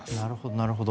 なるほど。